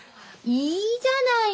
いいじゃないの。